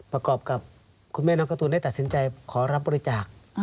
ประกอบกับคุณแม่น้องการ์ตูนได้ตัดสินใจขอรับบริจาค